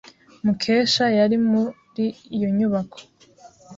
Mukesha yari muri iyo nyubako.